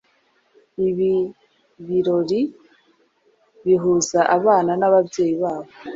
Ibi birori bihuza abana nababyeyi babo